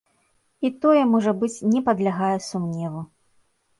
І тое, можа быць, не падлягае сумневу.